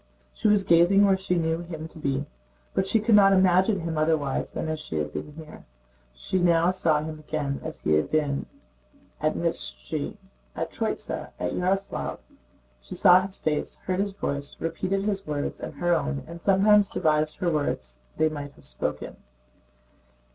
She was gazing where she knew him to be; but she could not imagine him otherwise than as he had been here. She now saw him again as he had been at Mytíshchi, at Tróitsa, and at Yaroslávl. She saw his face, heard his voice, repeated his words and her own, and sometimes devised other words they might have spoken.